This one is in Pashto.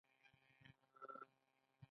آزاد تجارت مهم دی ځکه چې تفریح اسانوي.